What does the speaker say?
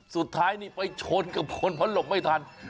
สุดท้ายนี่ไปชนกับคนเพราะหลบไม่ทัน